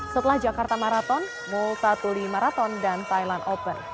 setelah jakarta maraton multatuli maraton dan thailand open